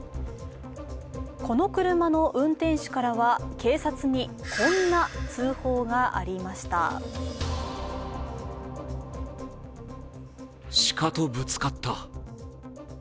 この車の運転手からは警察にこんな通報がありました。